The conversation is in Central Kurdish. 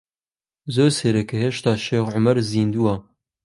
زۆر سەیرە کە هێشتا شێخ عومەر زیندووە.